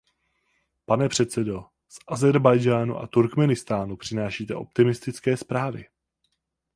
Pane předsedo, z Ázerbájdžánu a Turkmenistánu přinášíte optimistické zprávy.